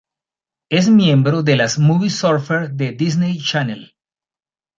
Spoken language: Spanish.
Es miembro de las Movie Surfers de Disney Channel.